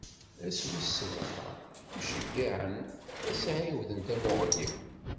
Ass wis sebɛa, Imceyyeɛ ad s-iɛiwed tamuɣli.